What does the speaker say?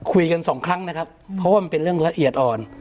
สองครั้งนะครับเพราะว่ามันเป็นเรื่องละเอียดอ่อน